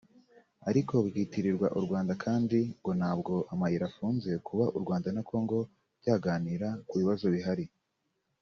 ariko bikitirirwa u Rwanda kandi ngo ntabwo amayira afunze kuba u Rwanda na Congo byaganira ku bibazo bihari